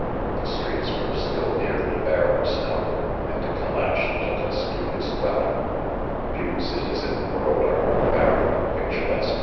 'The "streets were still nearly bare of'srioV, arid' BL'edieche took' iis'to his dwelling. Few cities in the' world are more varied and pictur esque?